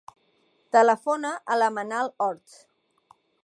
Telefona a la Manal Orts.